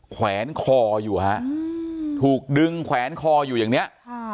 แขวนคออยู่ฮะถูกดึงแขวนคออยู่อย่างเนี้ยค่ะ